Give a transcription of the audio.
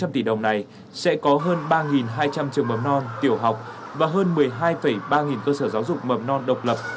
một bốn trăm linh tỷ đồng này sẽ có hơn ba hai trăm linh trường mầm non tiểu học và hơn một mươi hai ba nghìn cơ sở giáo dục mầm non độc lập